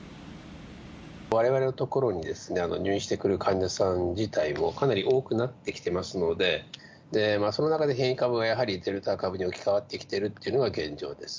われわれのところに入院してくる患者さん自体も、かなり多くなってきていますので、その中で変異株がやはりデルタ株に置き換わってきているというのが現状です。